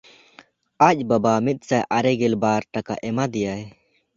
ᱟᱡ ᱵᱟᱵᱟ ᱢᱤᱫᱥᱟᱭ ᱟᱨᱮ ᱜᱮᱞ ᱵᱟᱨ ᱴᱟᱠᱟ ᱮᱢᱟ ᱫᱮᱭᱟᱭ᱾